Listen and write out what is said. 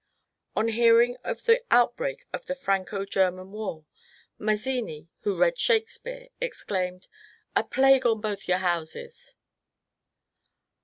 On hearing of the outbreak of the Franco German war, Mazzini, who read Shakespeare, exclaimed, ^^ A plague o' both your houses